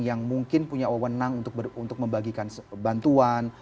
yang mungkin punya wewenang untuk membagikan bantuan